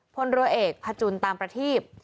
พลเรือเอกพจุลตามประทีบ